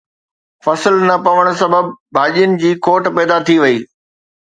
فصل نه پوڻ سبب ڀاڄين جي کوٽ پيدا ٿي وئي